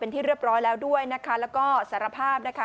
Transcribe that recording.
ที่เรียบร้อยแล้วด้วยนะคะแล้วก็สารภาพนะคะ